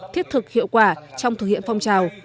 thiết thực hiệu quả trong thực hiện phong trào